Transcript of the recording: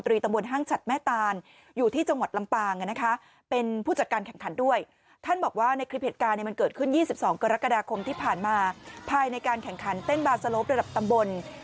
รักฎาคมที่ผ่านมาภายในการแข่งขันเต้นบาร์สโลประดับตำบล